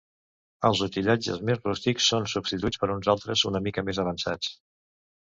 Els utillatges més rústics són substituïts per uns altres una mica més avançats.